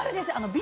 Ｂ